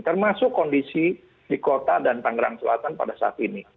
termasuk kondisi di kota dan tangerang selatan pada saat ini